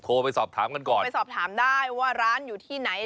ไปสอบถามกันก่อนไปสอบถามได้ว่าร้านอยู่ที่ไหน